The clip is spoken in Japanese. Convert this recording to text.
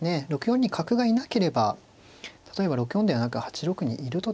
６四に角がいなければ例えば６四ではなく８六にいるとですね